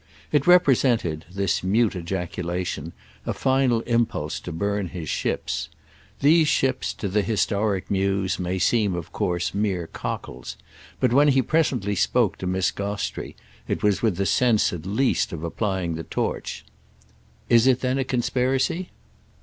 It represented, this mute ejaculation, a final impulse to burn his ships. These ships, to the historic muse, may seem of course mere cockles, but when he presently spoke to Miss Gostrey it was with the sense at least of applying the torch. "Is it then a conspiracy?"